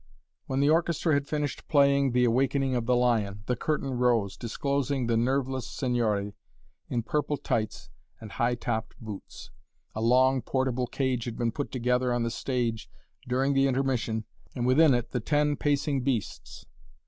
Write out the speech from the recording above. When the orchestra had finished playing "The Awakening of the Lion," the curtain rose, disclosing the nerveless Signore in purple tights and high topped boots. A long, portable cage had been put together on the stage during the intermission, and within it the ten pacing beasts.